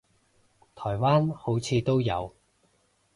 台灣好似都有